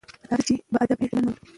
راځئ چې باادبه ټولنه ولرو.